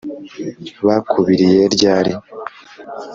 bakubiriye ryari,